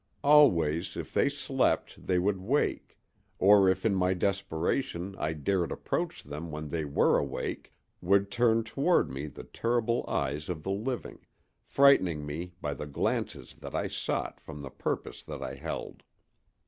Always if they slept they would wake, or if in my desperation I dared approach them when they were awake, would turn toward me the terrible eyes of the living, frightening me by the glances that I sought from the purpose that I held.